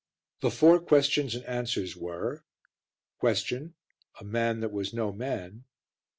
The four questions and answers were Q. A man that was no man A.